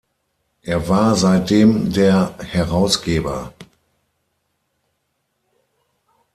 Er war seitdem der Herausgeber.